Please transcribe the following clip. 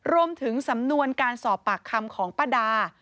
รวมถึงสำนวนการสอบปากคำของป้าดา